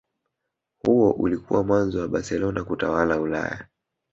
Huo ulikuwa mwanzo wa Barcelona kutawala Ulaya